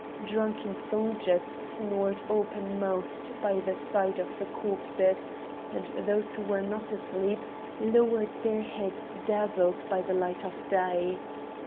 Drunken soldiers snored open mouthed by the side of the corpses, and those who were not asleep lowered their heads dazzled by the light of day.